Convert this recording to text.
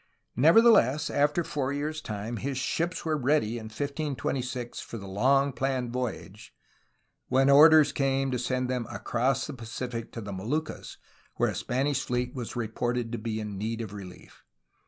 Nevertheless, after four years' time, his ships were ready in 1526 for the long planned voyage, when or ders came to send them across the Pacific to the Moluccas where a Spanish fleet was reported to be in need of relief.